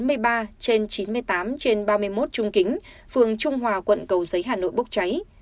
trước đó khoảng giờ ba mươi phút ngày hai mươi tám trên ba mươi một trung kính phường trung hòa quận cầu giấy hà nội bốc cháy